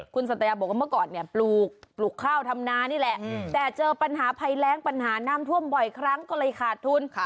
คุณสัตยาบอกว่าเมื่อก่อนเนี่ยปลูกข้าวทำนานี่แหละแต่เจอปัญหาภัยแรงปัญหาน้ำท่วมบ่อยครั้งก็เลยขาดทุน